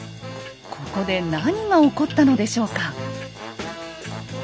ここで何が起こったのでしょうか？